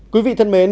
quý vị thân mến